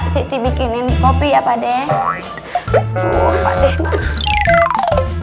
siti bikinin kopi ya pak dema